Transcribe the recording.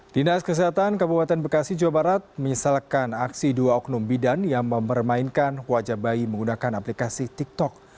dinas kesehatan kabupaten bekasi jawa barat menyesalkan aksi dua oknum bidan yang memermainkan wajah bayi menggunakan aplikasi tiktok